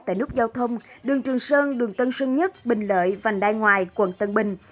tại nút giao thông đường trường sơn đường tân sơn nhất bình lợi vành đai ngoài quận tân bình